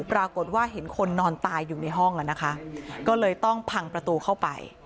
ปรากฏว่าเห็นคนนอนตายอยู่ในห้องอ่ะนะคะก็เลยต้องพังประตูเข้าไป